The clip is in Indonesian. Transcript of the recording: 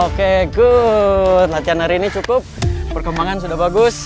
oke good latihan hari ini cukup perkembangan sudah bagus